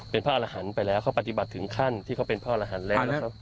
เป็นพระอรหันต์ไปแล้วเขาปฏิบัติถึงขั้นที่เขาเป็นพระอรหันต์แล้วนะครับ